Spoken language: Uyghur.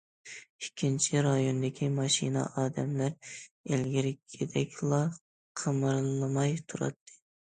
ئىككىنچى رايوندىكى ماشىنا ئادەملەر ئىلگىرىكىدەكلا قىمىرلىماي تۇراتتى.